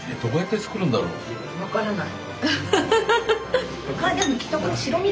分からない。